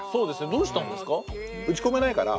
どうしたんですか？